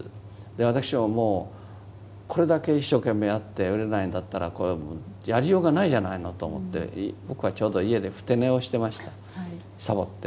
私ももうこれだけ一生懸命やって売れないんだったらこれもうやりようがないじゃないのと思って僕はちょうど家でふて寝をしてましたさぼって。